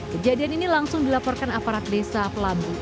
kejadian ini langsung dilaporkan aparat desa pelambu